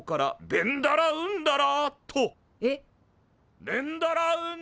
ベンダラウンダラ。